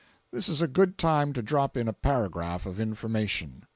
This is a good time to drop in a paragraph of information.